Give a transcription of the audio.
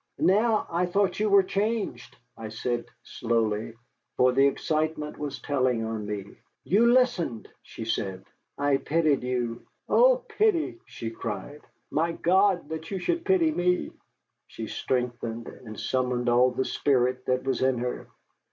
"Now I thought you were changed," I said slowly, for the excitement was telling on me. "You listened!" she said. "I pitied you." "Oh, pity!" she cried. "My God, that you should pity me!" She straightened, and summoned all the spirit that was in her.